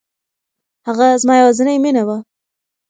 هغه زما يوازينی مینه وه.